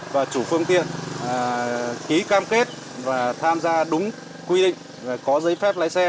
và chủ phương tiện ký cam kết và tham gia đúng quy định có giấy phép lái xe